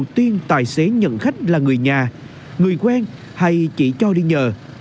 tài xế nhận khách là người nhà người quen hay chỉ cho đi nhờ